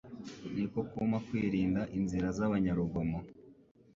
niko kumpa kwirinda inzira z’abanyarugomo.”